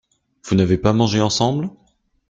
Vous n’avez pas mangé ensemble ?